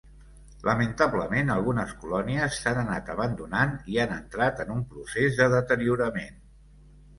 Lamentablement algunes colònies s'han anat abandonant i han entrat en un procés de deteriorament.